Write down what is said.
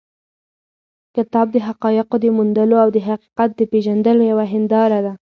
کتاب د حقایقو د موندلو او د حقیقت د پېژندلو یوه هنداره ده.